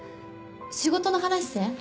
仕事の話せん？